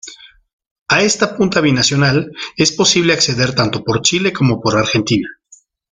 A esta punta binacional es posible acceder tanto por Chile como por Argentina.